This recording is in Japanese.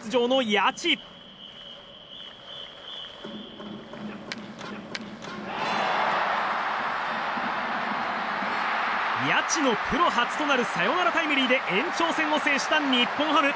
谷内のプロ初となるサヨナラタイムリーで延長戦を制した日本ハム。